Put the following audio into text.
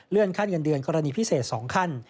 ขั้นเงินเดือนกรณีพิเศษ๒ขั้น